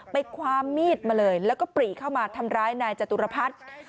ความมีดมาเลยแล้วก็ปรีเข้ามาทำร้ายนายจตุรพัฒน์